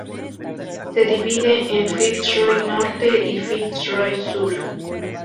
Se divide en Fitz Roy Norte y Fitz Roy Sur.